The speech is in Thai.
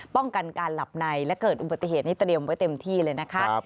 ป้องกันการหลับในและเกิดอุบัติเหตุนี้เตรียมไว้เต็มที่เลยนะคะ